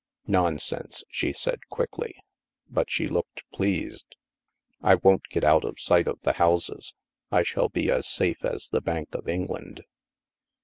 "Nonsense," she said quickly, but she looked pleased. " I won't get out of sight of the houses. I shall be as safe as the Bank of England."